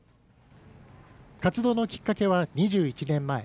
活動のきっかけは２１年前。